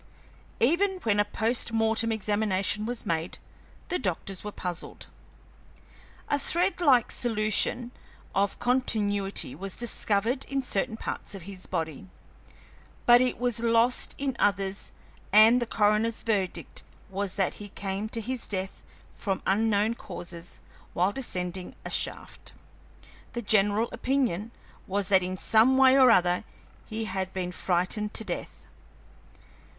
Even when a post mortem examination was made, the doctors were puzzled. A threadlike solution of continuity was discovered in certain parts of his body, but it was lost in others, and the coroner's verdict was that he came to his death from unknown causes while descending a shaft. The general opinion was that in some way or other he had been frightened to death.